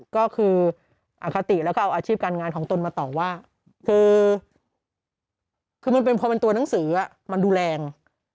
ก็คืออคติแล้วก็เอาอาชีพการงานของตนมาต่อว่าคือมันเป็นพอเป็นตัวหนังสือมันดูแรง